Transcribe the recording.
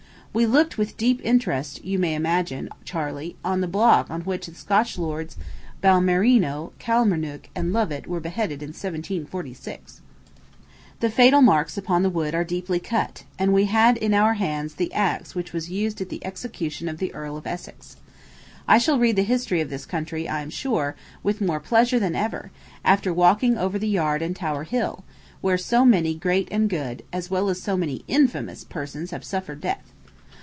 We looked with deep interest, you may imagine, Charley, on the block on which the Scotch lords, Balmerino, Kilmarnook, and Lovat, were beheaded in 1746. The fatal marks upon the wood are deeply cut; and we had in our hands the axe which was used at the execution of the Earl of Essex. I shall read the history of this country, I am sure, with more pleasure than ever, after walking over the yard and Tower Hill, where so many great and good, as well as so many infamous, persons have suffered death.